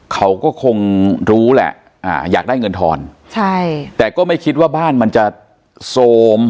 เขาก็คงรู้แหละอ่าอยากได้เงินทอนใช่แต่ก็ไม่คิดว่าบ้านมันจะโซม